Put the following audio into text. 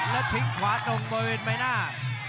และทิ้งขวานมบริเวณมายนา